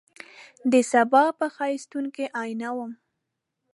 دسبا په ښایستون کي آئینه وم